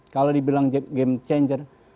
kalau dibilang game changer